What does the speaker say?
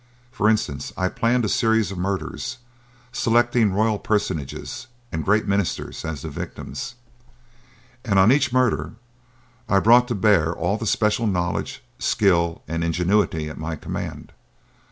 For instance, I planned a series of murders, selecting royal personages and great ministers as the victims, and on each murder I brought to bear all the special knowledge, skill and ingenuity at my command.